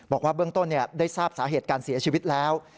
บอกว่าเบื้องต้นได้ทราบสาเหตุการเสียชีวิตแล้ว